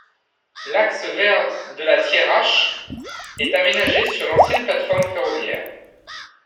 L'axe vert de la Thiérache est aménagé sur l'ancienne plateforme ferroviaire.